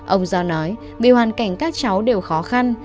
ông do nói vì hoàn cảnh các cháu đều khó khăn